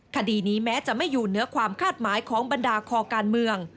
คดีนี้แม้จะไม่อยู่เหนือความคาดหมายของบรรดาคอการเมือง